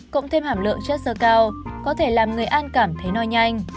cộng thêm hàm lượng chất sơ cao có thể làm người an cảm thấy no nhanh